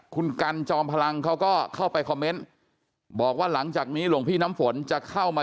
คุณกันจอมพลังเขาก็เข้าไปคอมเมนต์บอกว่าหลังจากนี้หลวงพี่น้ำฝนจะเข้ามา